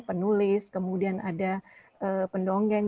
penulis kemudian ada pendongeng